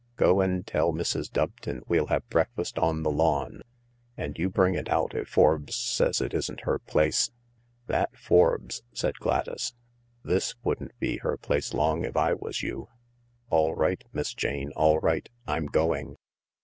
" Go and tell Mrs. Doveton we'll have break fast on the lawn, and you bring it out if Forbes says it isn't her place." " That Forbes !" said Gladys. " This wouldn't be her place long if I was you. ... All right, Miss Jane, all right. I'm going."